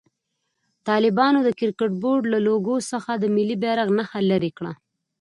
طالبانو د کرکټ بورډ له لوګو څخه د ملي بيرغ نخښه لېري کړه.